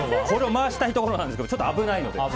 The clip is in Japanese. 回したいところなんですがちょっと危ないので。